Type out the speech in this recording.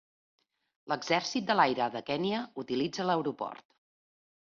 L'exèrcit de l'aire de Kènia utilitza l'aeroport.